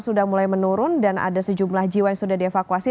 sudah mulai menurun dan ada sejumlah jiwa yang sudah dievakuasi